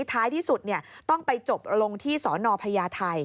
ท้ายที่สุดต้องไปจบลงที่สนพญาไทย